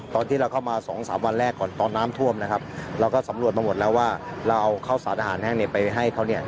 ตอนที่เราเข้ามาสองสามวันแรกก่อนตอนน้ำท่วมนะครับเราก็สำรวจมาหมดแล้วว่าเราเอาข้าวสารอาหารแห้งเนี่ยไปให้เขาเนี่ย